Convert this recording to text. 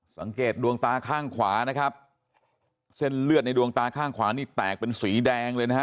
สังเกตดวงตาข้างขวานะครับเส้นเลือดในดวงตาข้างขวานี่แตกเป็นสีแดงเลยนะฮะ